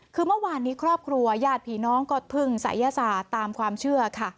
คือเมื่อวานนี้ครอบครัวญาติผีน้องก็พึ่งศัยศาสตร์ตามความเชื่อค่ะ